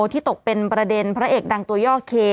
ที่ตกเป็นประเด็นพระเอกดังตัวย่อเค